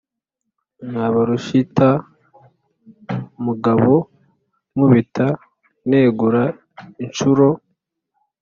Nkaba rushitamugabo, nkubita negura inshuro,